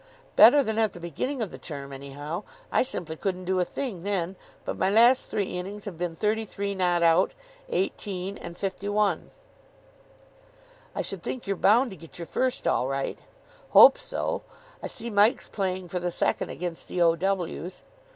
"Better than at the beginning of the term, anyhow. I simply couldn't do a thing then. But my last three innings have been 33 not out, 18, and 51. "I should think you're bound to get your first all right." "Hope so. I see Mike's playing for the second against the O.W.